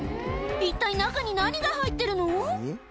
一体中に何が入ってるの？